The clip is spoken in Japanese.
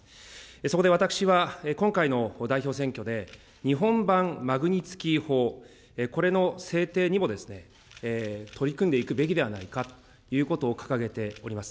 そこで私は、今回の代表選挙で、日本版マグニツキー法、これの制定にも取り組んでいくべきではないかということを掲げております。